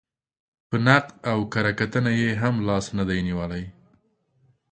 په نقد او کره کتنې یې هم لاس نه دی نېولی.